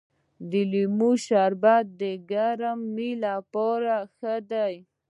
د لیمو شربت د ګرمۍ لپاره ښه دی.